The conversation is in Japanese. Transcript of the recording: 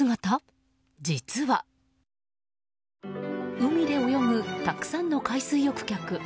海で泳ぐ、たくさんの海水浴客。